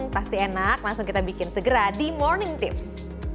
pasti enak langsung kita bikin segera di morning tips